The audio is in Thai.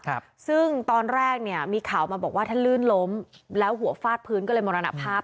ครับซึ่งตอนแรกเนี่ยมีข่าวมาบอกว่าท่านลื่นล้มแล้วหัวฟาดพื้นก็เลยมรณภาพ